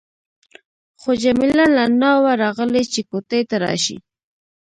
خو جميله لا نه وه راغلې چې کوټې ته راشي.